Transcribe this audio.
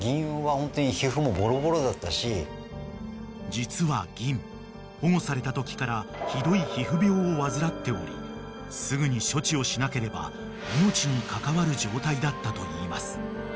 ［実はぎん保護されたときからひどい皮膚病を患っておりすぐに処置をしなければ命に関わる状態だったといいます］